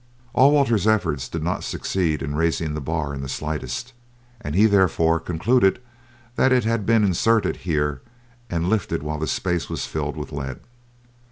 All Walter's efforts did not succeed in raising the bar in the slightest, and he therefore concluded that it had been inserted here and lifted while the space was filled with lead.